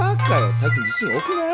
最近地震多くない？